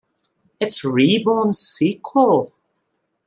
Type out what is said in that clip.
It's Reborn's Sequel.